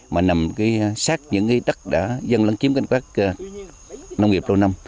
mà nằm sát những đất đã dân lân kiếm các nông nghiệp lâu năm